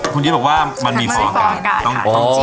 คุณเย้บบอกว่ามันมีฟอง